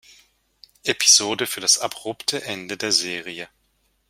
Episode für das abrupte Ende der Serie.